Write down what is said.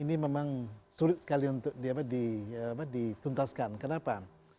ini memang sulit sekali untuk dituntaskan kenapa